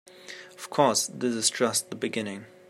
Of course, this is just the beginning.